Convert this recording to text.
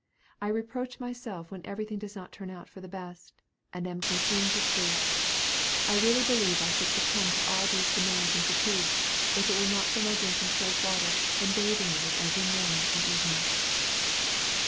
I reproach myself when everything does not turn out for the best, and am consumed with grief. I really believe I should succumb to all these demands and fatigues if it were not for my drinking cold water, and bathing in it every morning and evening."